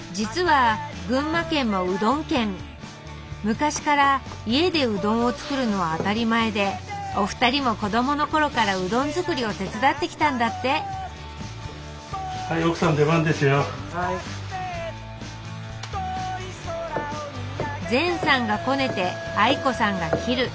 昔から家でうどんを作るのは当たり前でお二人も子どもの頃からうどん作りを手伝ってきたんだって全さんがこねて愛子さんが切る。